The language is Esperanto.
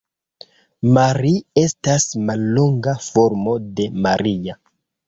Mari estas mallonga formo de Maria.